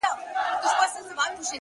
ډېوې پوري _